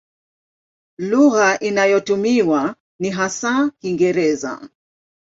Lugha inayotumiwa ni hasa Kiingereza.